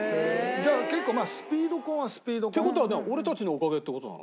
じゃあ結構スピード婚はスピード婚？って事は俺たちのおかげって事なの？